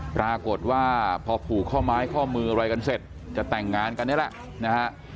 ปรากฏว่าพอผูกข้อไม้ข้อมืออะไรกันเสร็จจะแต่งงานกันนี่แหละนะฮะ